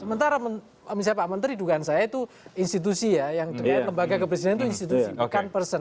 sementara misalnya pak menteri dugaan saya itu institusi ya yang lembaga kepresidenan itu institusi bukan person